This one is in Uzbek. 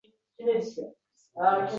Oʻzimning qalbimni oʻchirdim.